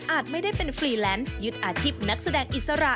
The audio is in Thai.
ไม่ได้เป็นฟรีแลนซ์ยึดอาชีพนักแสดงอิสระ